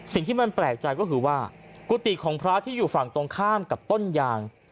สิ่งที่มันแปลกใจก็คือว่ากุฏิของพระที่อยู่ฝั่งตรงข้ามกับต้นยาง